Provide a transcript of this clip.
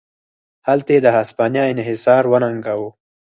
هلته یې د هسپانیا انحصار وننګاوه.